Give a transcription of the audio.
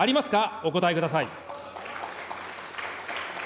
お答えください。